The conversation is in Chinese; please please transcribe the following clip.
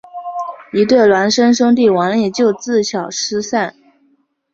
一对孪生兄弟王利就自小失散。